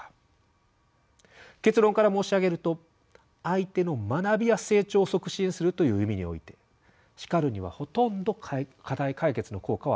結論から申し上げると「相手の学びや成長を促進する」という意味において叱るにはほとんど課題解決の効果はありません。